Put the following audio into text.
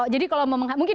jadi kalau mungkin